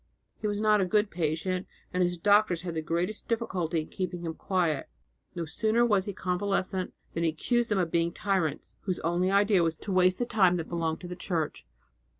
He was not a good patient, and his doctors had the greatest difficulty in keeping him quiet. No sooner was he convalescent than he accused them of being tyrants, whose only idea was to make him waste the time that belonged to the Church.